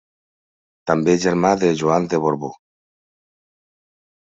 També germà de Joan de Borbó.